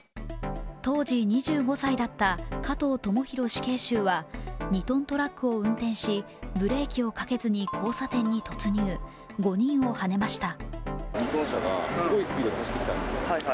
当時２５歳だった加藤智大死刑囚は２ｔトラックを運転しブレーキをかけずに交差点に突入、５人をはねました。